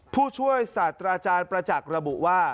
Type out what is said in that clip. ผู้ช่วยศาสตราจารย์ประจักษ์ระบุว่า